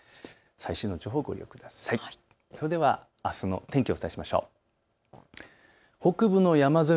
最新の情報をご利用ください。